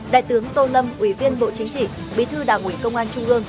đại tướng tô lâm ủy viên bộ chính trị bí thư đảng ủy công an trung ương